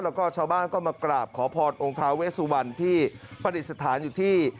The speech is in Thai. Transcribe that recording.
แล้วก็ชาวบ้านก็มากราบขอพรองค์ท้าเวสุวรรณที่ประดิษฐานอยู่ที่